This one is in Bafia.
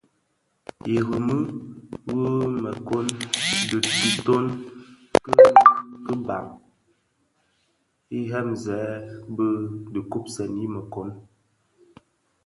Irèmi wu mëkōň dhi kitoň ki bhan idhemzè bi gubsèn i mëkōň.